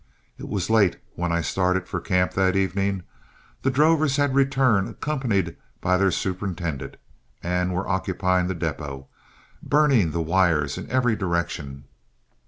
It was late when I started for camp that evening. The drovers had returned, accompanied by their superintendent, and were occupying the depot, burning the wires in every direction.